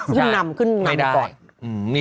ขึ้นนำขึ้นนำไปก่อนไม่ได้